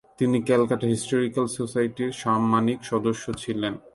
তিনি ক্যালকাটা হিস্টরিক্যাল সোসাইটির সাম্মানিক সদস্য ছিলেন।